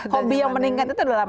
hobi yang meningkat itu adalah